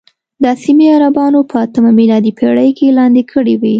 دا سیمې عربانو په اتمه میلادي پېړۍ کې لاندې کړې وې.